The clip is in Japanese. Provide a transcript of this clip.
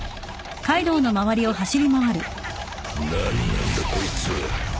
何なんだこいつ